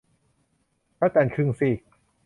พระจันทร์ครึ่งซีก